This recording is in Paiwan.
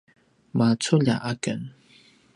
maculja aken